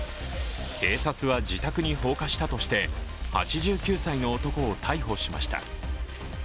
警察は自宅に放火したとして８９歳の男を逮捕しました。